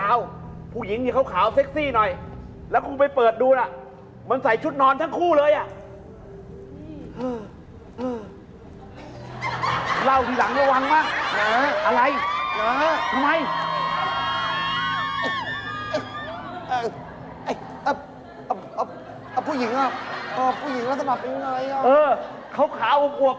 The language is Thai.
่าผู้หญิงเอ่อผู้หญิงราชมะเป็นเนอะไงอ่ะเขาขาอวกอวก